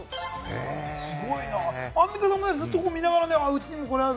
アンミカさんも見ながら、うちにもこれある！